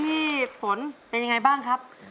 พี่ฝนเป็นยังไงบ้างครับ